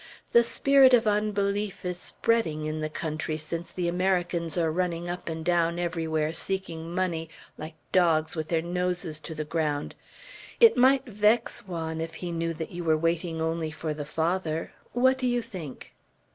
The spirit of unbelief is spreading in the country since the Americans are running up and down everywhere seeking money, like dogs with their noses to the ground! It might vex Juan if he knew that you were waiting only for the Father. What do you think?"